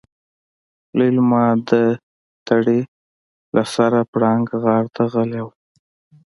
ليلما د تړې له سره پړانګ غار ته غلې وه.